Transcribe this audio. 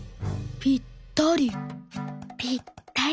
「ぴったり」。